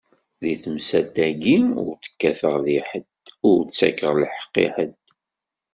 Di temsalt-agi, ur d-kkateɣ di ḥedd, ur ttakkeɣ lheqq i ḥedd.